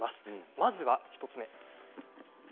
まずは１つ目。